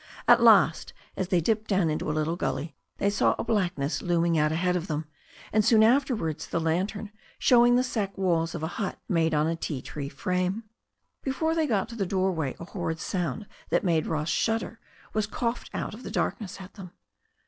At last, as they dipped down into a little gully, they saw a blackness looming out ahead of them, and soon afterwards the lantern showed the sacking walls of a hut made on a ti tree frame. Before they got to the doorway a horrid sound that made Ross shudder was coughed out of the dark ness at them.